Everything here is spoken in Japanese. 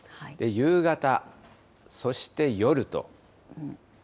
夕方、そして夜と。